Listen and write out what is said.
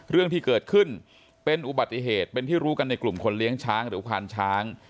เรื่องที่เกิดขึ้นเป็นอุบัติเหตุเป็นที่รู้กันในกลุ่มคนเลี้ยงช้างหรือควานช้าง